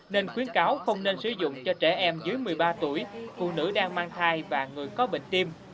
nên khuyến cáo không nên sử dụng cho trẻ em dưới một mươi ba tuổi phụ nữ đang mang thai và người có bệnh tim